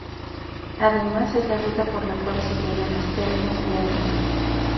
Además es la ruta por la cual se llega a las Termas de Almirón.